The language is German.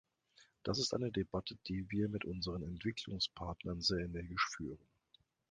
Das ist eine Debatte, die wir mit unseren Entwicklungspartnern sehr energisch führen.